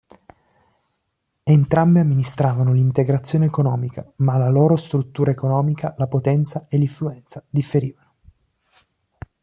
Entrambe amministravano l'integrazione economica, ma la loro struttura economica, la potenza e l'influenza differivano.